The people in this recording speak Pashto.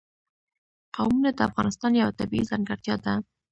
قومونه د افغانستان یوه طبیعي ځانګړتیا ده.